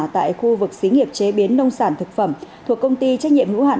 tại khu vực xí nghiệp chế biến nông sản thực phẩm thuộc công ty trách nhiệm hữu hạn